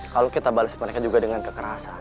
kalau kita balas mereka juga dengan kekerasan